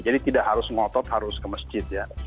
jadi tidak harus ngotot harus ke masjid ya